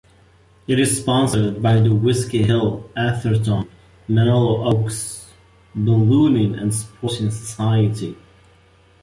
It is sponsored by the Whiskey Hill Atherton Menlo Oaks Ballooning and Sporting Society.